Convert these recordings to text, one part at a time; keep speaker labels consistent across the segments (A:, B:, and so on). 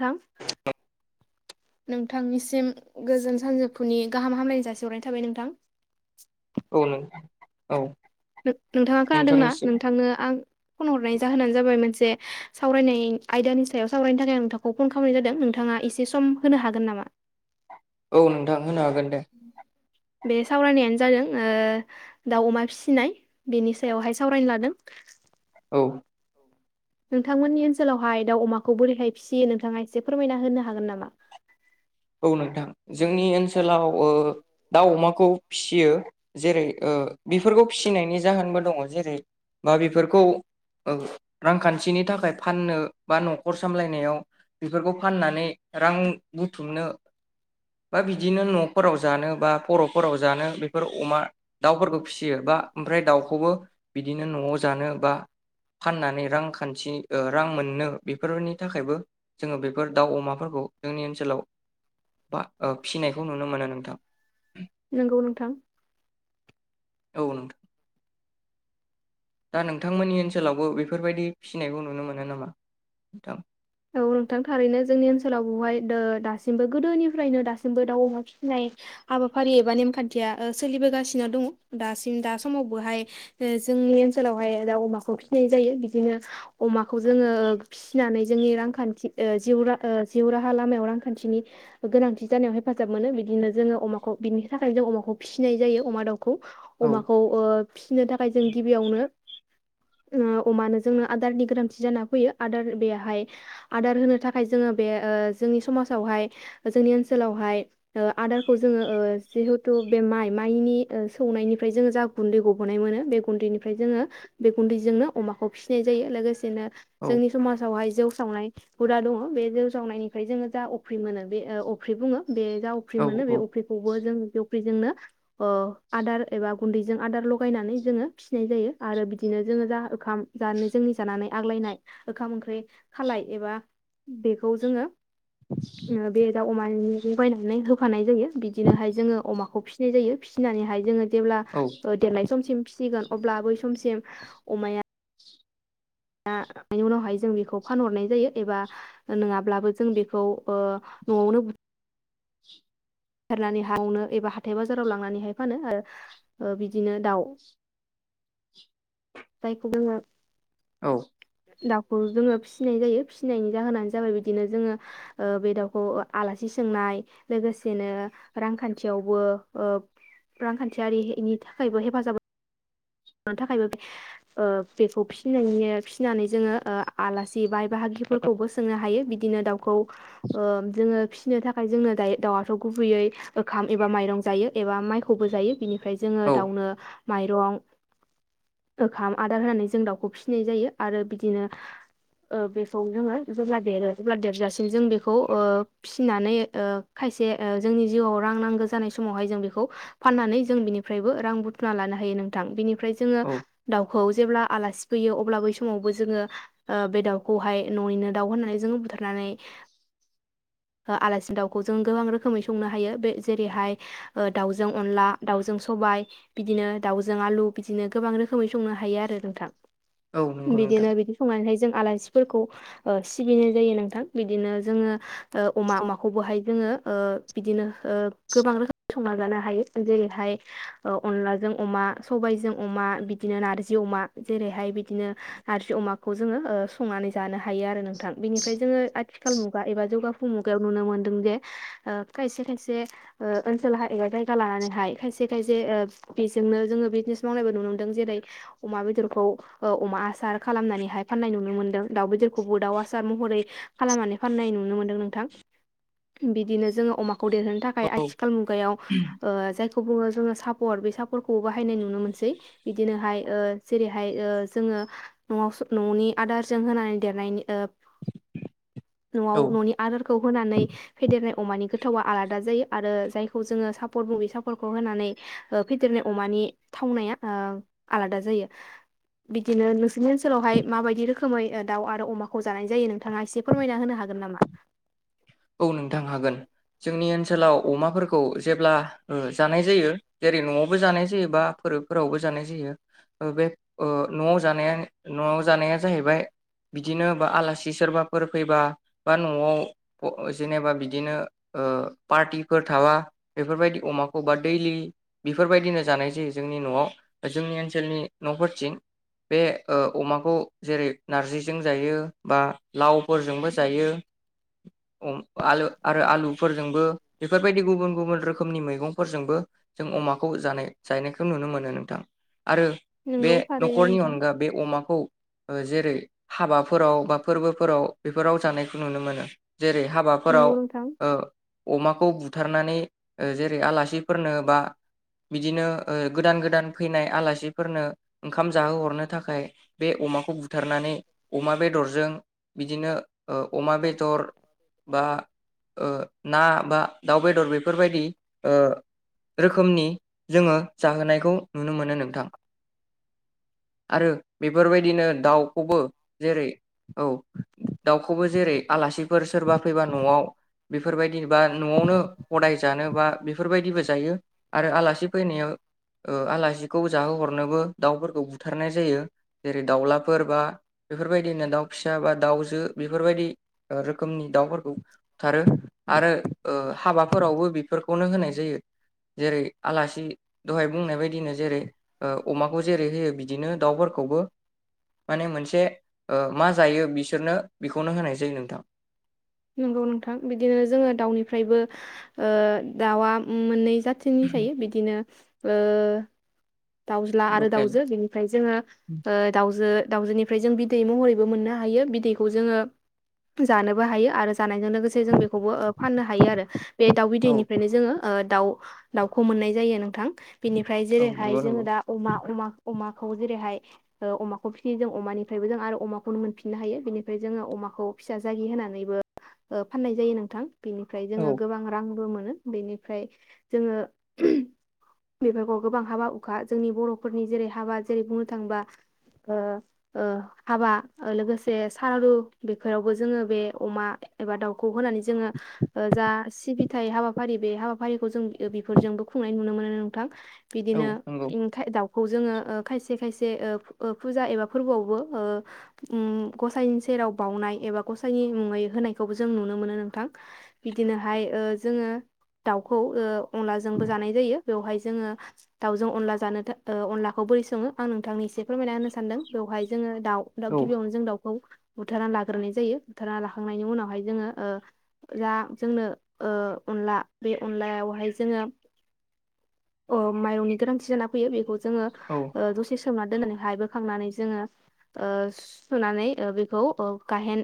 A: नोंथां नोंथांनिसिम गोजोन सानजौफुनि गाहाम हामलायनाय जासिहरनाय थाबाय नोंथां
B: औ नों औ
A: नोंथाङा खोनादों ना
B: नोंथांनिसिम
A: नोंथांनो आं फन हरनाय जाहोनानो जाबाय मोनसे सावरायनाय आयदानि सायाव सावरायनो थाखाय आं नोंथांखौ फन खालामनाय जादों नोंथाङा एसे सम होनो हागोन नामा
B: औ नोंथां होनो हागोन दे
A: बे सावरायनायानो जादों ओ दाउ अमा फिसिनाय बेनि सायावहाय सावरायनो लादों
B: औ
A: नोंथांमोननि ओनसोलावहाय दाउ अमाखौ बोरैहाय फिसियो नोंथाङा एसे फोरमायना होनो हागोन नामा
B: औ नोंथां जोंनि ओनसोलाव ओ दाउ अमाखौ फिसियो जेरै ओ बेफोरखौ फिसिनायनि जाहोनबो दङ जेरै बा बेफोरखौ रांखान्थिनि थाखाय फाननो बा नखर सामलायनायाव बेफोरखौ फाननानै रां बु थुमनो बा बिदिनो न'फोराव जानो बा फरफोराव जानो बेफोर अमा दाउफोरखौ फिसियो बा ओमफ्राय दाउखौबो बिदिनो न'आव जानो बा फाननानै रांखान्थि रां मोननो बेफोरनि थाखायबो जोङो बेफोर दाउ अमाफोरखौ जोंनि ओनसोलाव बा ओ फिसिनायखौ नुनो मोनो नोंथां
A: नंगौ नोंथां
B: औ नोंथां दा नोंथांमोननि ओनसोलावबो बेफोरबायदि फिसिनायखौ नुनो मोनो नामा नोंथां
A: औ नोंथां थारैनो जोंनि ओनसोलाव बहाय दो दासिमबो गोदोनिफ्रायनो दासिमबो दाउ अमा फिसिनाय हाबाफारि एबा नेमखान्थिया सोलिबोगासिनो दङ दासिम दा समावबोहाय जोंनि ओनसोलावहाय दाउ अमाखौ फिसिनाय जायो बिदिनो अमाखौ जोङो फिसिनानै जोंनि रांखान्थि ओ जिउ रा जिउ राहा लामायाव रांखान्थिनि गोनांथि जानायाव हेफाजाब मोनो बिदिनो जोङो अमाखौ बिनि थाखायनो जों अमाखौ फिसिनाय जायो अमा दाउ खौ
B: औ
A: अमाखौ ओ फिसिनो थाखाय जों गिबियावनो ओ अमानो जोंनो आदारनि गोनांथि जाना फैयो आदार बेहाय आदार होनो थाखाय जोङो बे ओ जोंनि समाजावहाय जोंनि ओनसोलावहाय ओ आदारखौ जोङो ओ जिहेथु बे माइ माइनि सौनायनिफ्राय जोङो जा गुन्दै गबोनाय मोनो बे गुन्दैनिफ्राय जोङो बे गुन्दैजोंनो अमाखौ फिसिनाय जायो लोगो सेनो
B: औ
A: जोंनि समावहाय जौ सावनाय हुदा दङ बे जौ सावनायनिफ्राय जोङो जा अफ्रि मोनो बे ओ अफ्रिखो बे जा अफ्रि
B: औ
A: मोनो बे अफ्रिखौबो जों बे अफ्रिजोंनो ओ आदार एबा गुन्दैजों आदार लगायनानै जोङो फिसिनाय जायो आरो बिदिनो जोङो जा ओखाम जा जोंनि जानानै आग्लायनाय ओखाम-ओंख्रि खालाय एबा बेखौ जों बेदाव अमानि बायनानै होफानाय जायो बिदिनोहाय जोङो अमाखौ फिसिनाय जायो फिसिनानैहाय जोङो। जेब्ला
B: औ
A: देरनाय समसिम फिसिगोन अब्ला बै समसिम अमाया दानि उनावहाय जों बेखौ फानहरनाय जायो एबा नङाब्लाबो जों बेखौ ओ न'आवनो फेरनानै हावनो एबा हाथाय बाजाराव लांनानैहाय फानो आरो बिदिनो दाउ जायखौ जोङो
B: औ।
A: दाउखौ जोङो फिसिनाय जायो फिसिनायनि जाहोनानो जाबाय बिदिनो जोङो बे दाउखौ आलासि सोंनाय लोगोसेनो रांखान्थियावबो रांखान्थियारिनि थाखायबो हेफाजाब हो नि थाखायबो बे बेखौ फि फिसिनानै जोङो ओ आलासि बाइ बाहागिफोरखौबो सोंनो हायो बिदिनो ओ दाउखौ जोङो फिसिनो थाखाय जोङनो दायो दाउआथ गुबैयै ओखाम एबा माइरं जायो एबा माइखौबो जायो बिनि ओमफ्राय जोङो
B: औ
A: दावनो माइरं ओखाम आदार होनानै जों दाउखौ फिसिनाय जायो आरो बिदिनो बेखौ जोङो जेब्ला देरो जेब्ला देरजासिम जों बेखौ फिसिनानै खायसे जोंनि जिउआव रां नांगौ जानाय समावहाय जों बेखौ फाननानै जों बिनिफ्रायबो रां बुथुमना लानो हायो नोंथां बेनि ओमफ्राय जोङो
B: औ
A: दाउखौ खौ जेब्ला आलासि फैयो अब्ला बै समावबो जोङो ओ बे दाउखौहाय न'निनो दाउ होननानै जोङो बुथारनानै आलासि दाउखौ जों गोबां रोखोमै संनो हायो बे जेरैहाय दाउजों अनला दाउजों सबाय बिदिनो दाउजों आलु बिदिनो गोबां रोखोम खोमै संनो हायो आरो नोंथां
B: औ नंगौ नोंथां
A: बिदिनो बिदि संनानै जों आलासिफोरखौ सिबिनाय जायो नोंथां बिदिनो जोङो अमा अमाखौबोहाय जोङो बिदिनो गोबां रोखोम संनानै जानो हायो जेरैहाय ओ अनलाजों अमा सबायजों अमा बिदिनो नारजि अमा जेरैहाय बिदिनो नारजि अमाखौ जोङो संनानै जानो हायो आरो नोंथां बेनिफ्राय जोङो आथिखाल मुगा एबा जौगा मुगायाव नुनो मोन्दों जे खायसे खायसे ओनसोलावहाय एा जायगा लानानैहाय खायसे खायसे बेजोंनो जोङो बिजनेस मावनायबो नुनो मोन्दों जेरै अमा बेदरखौ अमा आसार खालामनानैहाय फाननाय नुनो मोन्दों दाउ बेदरखौबो दाउ आसार महरै खालामनानै फाननाय नुनो मोन्दों नों बिदिनो जो अमाखौ खौ देरहोननो थाखाय
B: औ
A: आथिखाल मुगायाव ओ बुङो जोङो सापर बे सापर्टखौबो बाहायनाय नुनो मोनसै बिदिनोहाय जेरैहाय जोङो न'आव न'नि आदारजों होनानै देरनायनि न आ
B: औ
A: न'नि खौ होनानै फेदेरनाय अमानि गोथावा आलादा जायो आरो जायखौ जोङो सापर्ट बु बे सापर्टखौ होनानै फेदेरनाय अमानि थावनाया आलादा जायो बिदिनो नोंसोरनि ओनसोलावहाय माबायदि रोखोमै दाउ आरो अमाखौ जानाय जायो नोंथाङा एसे फोरमायना होनो हागोन नामा?
B: औ नोंथां हागोन जोंनि ओनसोलाव अमाफोरखौ जेब्ला जानाय जायो जेरै न'आवबो जानाय जायो बा फोरबोफोरावबो जानाय जायो बे न'आव जानाया न'आव जानाया जाहैबाय बिदिनो बा आलासि सोरबाफोर फैबा बा न'आव जेनेबा बिदिनो ओ पार्टिफोर थाबा बेफोरबायदि अमाखौ बा दैलि बेफोरबायदिनो जानाय जायो जोंनि न'आव जोंनि ओनसोलनि न'फोरथिं बे अमाखौ जेरै नारजिजों जायो बा लावफोरजोंबो जायो। आलु आरो आलुफोरजोंबो बेफोर बायदि गुबुन गुबुन रोखोमनि मैगंफोरजोंबो जों अमाखौ जानाय जायनायखौ नुनो मोनो नोंथां। आरो
A: नोंगौ
B: बे
A: थारैनो
B: न'खरनि
A: नोंथां
B: अनगा बे अमाखौ जेरै हाबाफोराव बा फोरबोफोराव बेफोराव जानायखौ नुनो मोनो। जेरै
A: नोंगौ
B: हाबाफोराव
A: नोंथां
B: ओ अमा अमाखौ बुथारनानै जेरै आलासिफोरनो बा बिदिनो गोदान गोदान फैनाय आलासिफोरनो ओंखाम जाहोहरनो थाखाय बे अमाखौ बुथारनानै अमा बेदरजों बिदिनो अमा बेदर बा आ ना बा दाउ बेदर बेफोरबायदि ओ रोखोमनि जोङो जाहोनायखौ नुनो मोनो नोंथां आरो बेफोरबायदिनो दाउखौबो जेरै औ दाउखौबो जेरै आलासि फोर सोरबा फैबा न'आव बेफोरबायदि बा न'आवनो हदाय जानो बा बेफोरबायदिबो जायो आरो आलासि फैनायाव आलासिखौ जाहोहरनोबो दाउफोरखौ बुथारनाय जायो जेरै दाउलाफोर बा बेफोरबायदिनो दाउ फिसा बा दाउजो बेफोरबायदि रोखोमनि दाउफोरखौ बुथारो आरो हाबाफोरावबो बेफोरखौनो होनाय जायो जेरै आलासि दहाय बुंनाय बायदिनो जेरै अमाखौ जेरै होयो बिदिनो दाउफोरखौबो माने मोनसे मा जायो बिसोरनो बेखौनो होनाय जायो नोंथां।
A: नंगौ नोंथां बिदिनो जोङो दाउनिफ्रायबो दाउआ मोननै जाथिनि जायो बिदिनो ओ दाउज्ला आरो
B: लकेल
A: दाउजो बेनिफ्राय जोङो दाउजो दाउजोनिफ्राय जों बिदै महरैबो मोननो हायो बिदैखौ जोङो जानोबो हायो आरो। जानायजों लोगोसे जों बेखौबो फाननो हायो आरो बे दाउ
B: औ
A: बिदैनिफ्रायनो जोङो दाउ दाउखौ मोननाय जायो नोंथां। बिनिफ्राय
B: औ
A: जेरैहाय
B: नंगौ
A: जोङो
B: नंगौ
A: दा अमा अमा अमा खौ जेरैहाय अमाखौ फियो जों अमानिफ्रायबो जों आरो अमाखौनो मोनफिननो हायो बेनिफ्राय जोङो अमाखौ फिसा जागि होनानैबो फाननाय जायो नोंथां। बिनिफ्राय
B: औ
A: जोङो गोबां रांबो मोनो। बिनिफ्राय जोङोफोरखौ गोबां हाबा खा जोंनि बर'फोरनि जेरै हाबा जेरै बुंनो थाङोबा ओ ओ हाबा लोगोसे सारादु बेफोरावबो जोङो बे अमा एबा दाउ खौ होनानै ओ जा सिबि फिथाइ हाबाफारि बे हाबाफारिखौ जों बेफोरजोंबो खुंनाय नुनो मोनो नोंथां। बिदिनो
B: औ नंगौ।
A: दाउखौ जोङो ओ खायसे खायसे ओ फुजा एबा फोरबोआवबो ओ उम गसाइनि सेराव बाउनाय ओ एबा गसाइनि मुङै होनायखौबो जों नुनो मोनो नोंथां बिदिनोहाय ओ जोङो दाउखौ ओ अनलाजोंबो जानाय जायो। बेवहाय जोङो दाउ जों अनला जानो अनलाखौ बोरै सङो आं नोंथांनि एसे फोरमायना होनो सानदों बेवहाय जोङो। दाउ दाउ
B: औ
A: गिबियावनो जों दाउखौ बुथारना लाग्रोनाय जायो बुथारना लाखांनायनि उनावहाय जोङो ओ जा जोंनो ओ अनला बे अनलायावहाय जोङो अ माइरंनि गोनांथि जानानै फैयो बेखौ जों जों
B: औ
A: ओ दसे सोमना दोननानै हाय बोखांनानै जोङो ओ सुनानै ओ बेखौ ओ गाहेन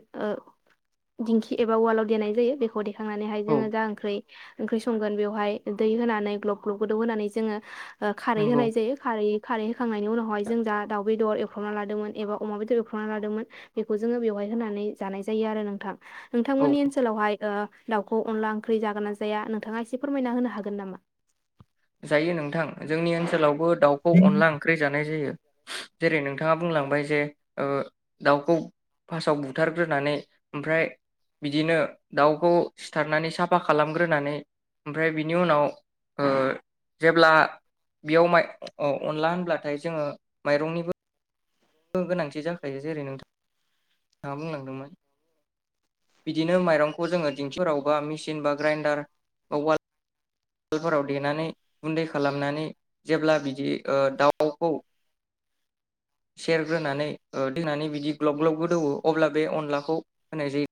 A: दिंखि एबा उवालाव देनाय जायो बेखौ दे थांनानैहाय
B: औ
A: जोङो जा ओंख्रै ओंख्रि संगोन बेवहाय दै होनानै ग्लब ग्लब गोदौ होनानै जोङो। ओ खारै
B: नंगौ
A: होनाय जायो खारै खारै होखांनायनि उनावहाय जों जा दाउ बेदर एवफ्र्रावना लादोंमोन एबा अमा बेदर एवफ्र्रबना लादोंमोन बेखौ जोङो बेवहाय होनानै जानाय जायो आरो नोंथां।
B: औ
A: नोंथांमोननि ओनसोलावहाय ओ दाउखौ अनला ओंख्रि जागोन ना जाया नोंथाङा एसे फोरमायना होनो हागोन नामा?
B: जायो नोंथां जोंनि ओनसोलावबो दाउखौ अनला ओंख्रि जानाय जायो। जेरै नोंथाङा बुंलांबाय जे ओ दाउखौ फार्सआव बुथारग्रोनानै ओमफ्राय बिदिनो दाउखौ सिथारनानै साफा खालामग्रोनानै ओमफ्राय बिनि उनाव ओ जेब्ला बेयाव माइ अनला होनब्लाथाय जोङो माइरंनिबो गोनांथि जाखायो जेरै नोंथां नोंथाङा बुंलांदोंमोन बिदिनो माइरंखौ जोङो दिंखिफोरावबा मेसिन बा ग्राइन्डार [unintelligible] फोराव देनानै गुन्दै खालामनानै जेब्ला बिदि ओ दाउखौ सेरग्रोनानै देनानै बिदि ग्लब ग्लब दौवो अब्ला बे अनलाखौ होनाय जायो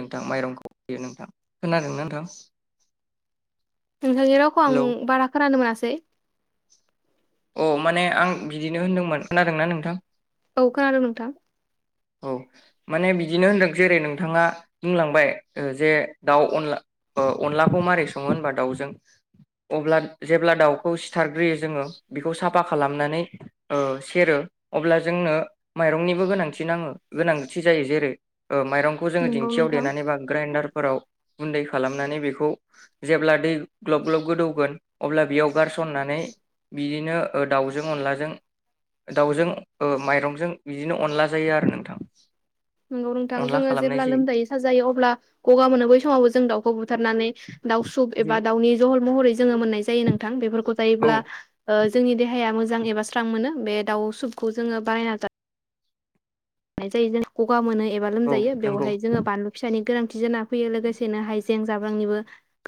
B: नोंथां माइरंखौ होयो नोंथां खोनादोंना नोंथां
A: नोंथांनि रावखौ आं
B: हेलौ
A: बारा खोनानो मोना सै
B: अ माने आं बिदिनो होनदोंमोन खोनादोंना नोंथां
A: औ खोनादों नोंथां
B: औ माने बिदिनो होनदों जेरै नोंथाङा बुंलांबाय जे दाउ अनला ओ अनलाखौ मारै सङो होनबा दाउजों अब्ला जेब्ला दाउखौ सिथारग्रोयो जोङो बेखौ साफा खालामनानै ओ सेरो अब्ला जोंनो माइरंनिबो गोनां थि नाङो गोनांथि जायो जेरै ओ माइरंखौ जोङो
A: नंगौ
B: दिंखियाव
A: नोंथां
B: देनानैबा ग्राइडारफोराव गुन्दै खालामनानै बेखौ जेब्ला दै ग्लब ग्लब गोदौगोन अब्ला बेयाव गारसननानै बिदिनो ओ दाउजों अनलाजों दाउजों ओ माइरंजों बिदिनो अनला जायो आरो नोंथां
A: नंगौ नोंथां
B: अनला
A: जोङो
B: खालामनाय
A: जेब्ला
B: जायो
A: लोमजाय साजायो अब्ला गगा मोनो बै समावबो जों दाउखौ बुथारनानै दाउ सुब एबा दावउनि जहल म हरै जोङो मोननाय जायो नोंथां बेफोर खौ
B: औ
A: जायोब्ला ओ जोंनि देहाया मोजां एबा स्रां मोनो बे दाउ सुपखौ जोङो बानायना जा नाय जायो जों गगा मोनै एबा
B: औ
A: लोमजायो
B: नंगौ
A: बेवहाय जोङो बानलु फिसानि गोनांथि जाना फैयो लोगोसेनो हाइजें जाब्रांनिबो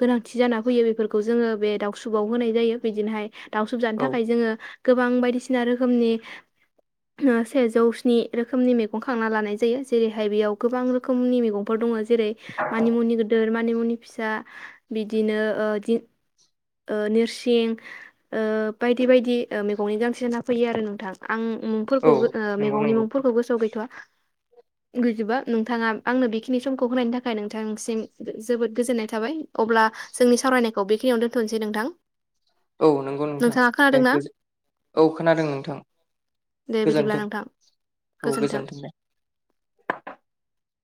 A: गोनांथि जाना फैयो बेफोरखौ जोङो बे दाउसुुबाव होनाय जायो बिदिनोहाय दाउसुब जानो
B: औ
A: थाखाय जोङो गोबां बायदिसिना रोखोमनि ओ सेजौ स्नि रो खोमनि मैगं खांना लानाय जायो जेरैहाय बेयाव गोबां रोखोमनि मैगंफोर दङ जेरै मानि मुनि गोदोर मा निमुनि फिसा बिदिनो ओ दि ओ नोरसिं ओ बायदि बायदि ओ मैगंनि गांसे फैयो आरो नोंथां आं उम
B: औ
A: फोरखौबो ओ
B: नंगौ
A: मैगंनि
B: नंगौ
A: मुं गोसोयाव गैथआ गैजोबा नोंथाङा आंनो बेखिनि समखौ होनायनि थाखाय नोंथांसिम जोबोद गोजोननाय थाबाय अब्ला जोंनि सावरायनायखौ बेखिनियावनो दोन्थ'नोसै नोंथां
B: औ नंगौ नोंथां
A: नोंथाङा
B: ए
A: खोनादोंना
B: औ खोनादों नोंथां
A: दे बिदिब्ला
B: गोजोनथों।
A: नोंथां
B: औ
A: गोजोन्थों
B: गोजोनथों दे।